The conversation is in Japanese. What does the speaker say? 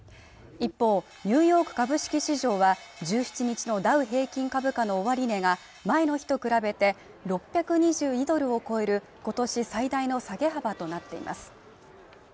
一方ニューヨーク株式市場は１７日のダウ平均株価の終値が前の日と比べて６２２ドルを超えることし最大の下げ幅となっています